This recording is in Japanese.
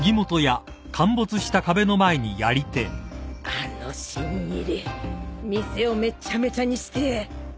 あの新入り店をめちゃめちゃにして。